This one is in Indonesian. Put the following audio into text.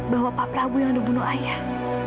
bahwa pak prabu yang ada bunuh ayah